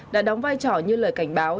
đã đóng vai trò như lời cảnh báo